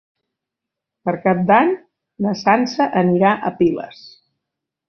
Per Cap d'Any na Sança anirà a Piles.